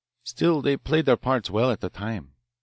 Still they played their parts well at the time.